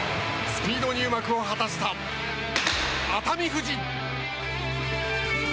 スピード入幕を果たした熱海富士。